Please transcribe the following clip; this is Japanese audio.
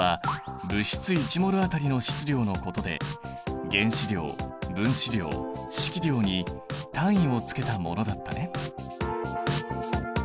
１ｍｏｌあたりの質量のことで原子量・分子量・式量に単位をつけたものだったね。